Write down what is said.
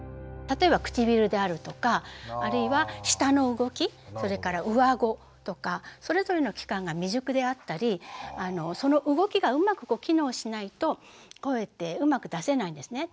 例えば唇であるとかあるいは舌の動きそれから上あごとかそれぞれの器官が未熟であったりその動きがうまく機能しないと声ってうまく出せないんですね。